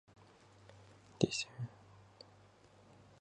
This gang emerged due to prejudice and class distinction.